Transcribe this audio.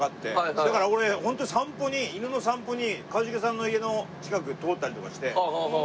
だから俺ホントに散歩に犬の散歩に一茂さんの家の近く通ったりとかして。